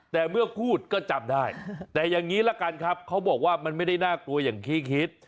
แต่เมื่อพูดก็จำได้แต่อย่างนี้ละกันครับเขาบอกว่ามันไม่ได้น่ากลัวอย่างที่คิด